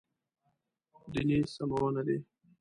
دیني سمونه دی.